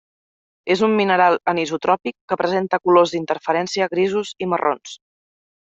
És un mineral anisotròpic que presenta colors d'interferència grisos i marrons.